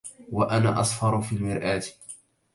وأنا أصفَرُّ في المرآة